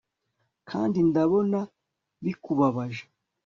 kandi ndabona bikubabaje